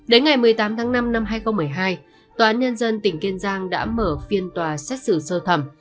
đến ngày một mươi tám tháng năm năm hai nghìn một mươi hai tòa án nhân dân tỉnh kiên giang đã mở phiên tòa xét xử sơ thẩm